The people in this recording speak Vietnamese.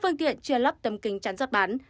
phương tiện chưa lắp tấm kính chắn giáp bán